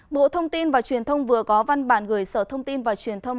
bộ thông tin và truyền thông vừa có văn bản gửi sở thông tin và truyền thông